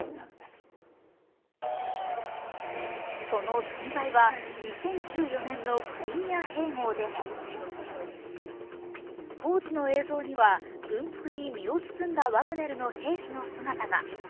その存在は２０１４年のクリミア併合でも当時の映像には軍服に身を包んだワグネルの兵士の姿が。